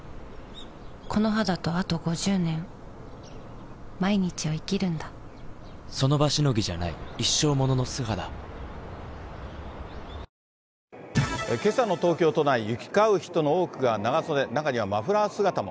この肌とあと５０年その場しのぎじゃない一生ものの素肌けさの東京都内、行き交う人の多くが長袖、中にはマフラー姿も。